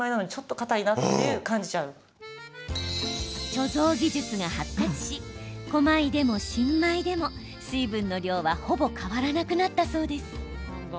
貯蔵技術が発達し古米でも新米でも水分の量はほぼ変わらなくなったそうです。